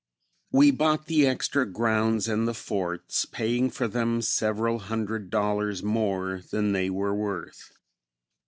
We bought the extra grounds and the forts, paying for them several hundred dollars more than they were worth.